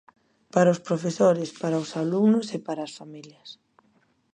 Para os profesores, para os alumnos e para as familias.